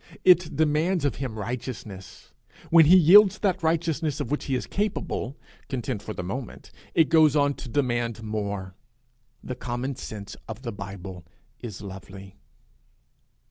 It demands of him righteousness; when he yields that righteousness of which he is capable, content for the moment, it goes on to demand more: the common sense of the Bible is lovely.